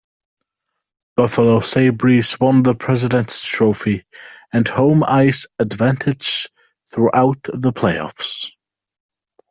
Buffalo Sabres won the Presidents' Trophy and home-ice advantage throughout the playoffs.